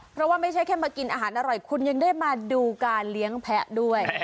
เพราะว่าไม่ใช่แค่มากินอาหารอร่อยคุณยังได้มาดูการเลี้ยงแพะด้วย